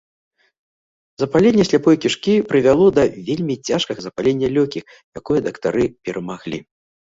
Запаленне сляпой кішкі прывяло да вельмі цяжкага запалення лёгкіх, якое дактары перамаглі.